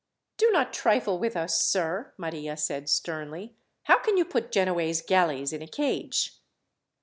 "Do not trifle with us, sir," Maria said sternly. "How can you put Genoese galleys in a cage?"